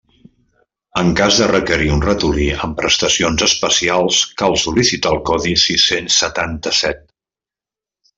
En cas de requerir un ratolí amb prestacions especials cal sol·licitar el codi sis-cents setanta-set.